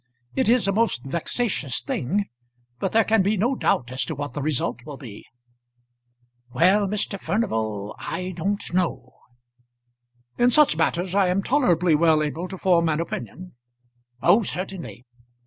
It is a most vexatious thing, but there can be no doubt as to what the result will be." "Well, Mr. Furnival, I don't know." "In such matters, I am tolerably well able to form an opinion." "Oh, certainly!"